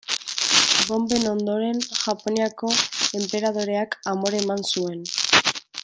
Bonben ondoren, Japoniako enperadoreak amore eman zuen.